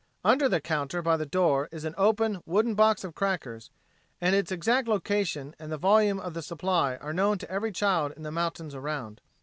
Under the counter by the door is an open wooden box of crackers, and its exact location and the volume of the supply are known to every child in the mountains around.